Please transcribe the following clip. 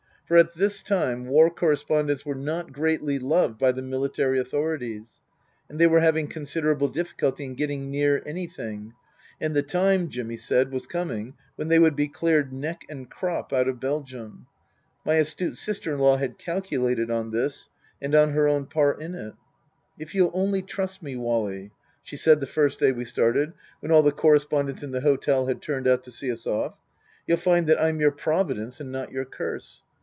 For at this time war correspondents were not greatly loved by the military authorities, and they were having considerable difficulty in getting near anything, and the time, Jimmy said, was coming when they would be cleared neck and crop out of Belgium. My astute sister in law had calculated on all this and on her own part in it. " If you'll only trust me, Wally," she said the first day we started, when all the correspondents in the hotel had turned out to see us off, " you'll find that I'm your Pro vidence and not your curse.